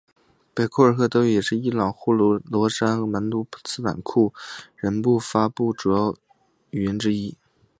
北库尔德语也是伊朗呼罗珊和南土库曼斯坦库尔德人分布区的主要语言之一。